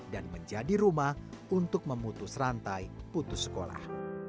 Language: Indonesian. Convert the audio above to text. dan menjadi rumah untuk memutus rantai putus sekolah